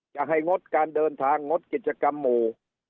จะให้งดการเดินทางงดกิจกรรมหมู่